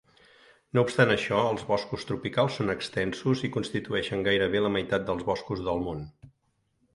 No obstant això, els boscos tropicals són extensos i constitueixen gairebé la meitat dels boscos del món.